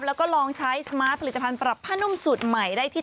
แล้วก็ลองใช้สมาร์ทผลิตภัณฑ์ปรับผ้านุ่มสูตรใหม่ได้ที่